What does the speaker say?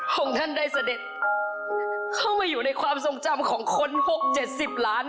ของท่านได้เสด็จเข้ามาอยู่ในความทรงจำของคน๖๗๐ล้าน